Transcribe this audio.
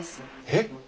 えっ！